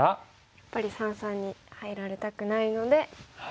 やっぱり三々に入られたくないのでオサえて。